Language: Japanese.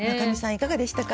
いかがでしたか？